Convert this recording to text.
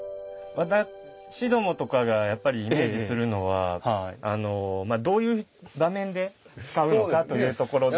私どもとかがやっぱりイメージするのはどういう場面で使うのかというところで。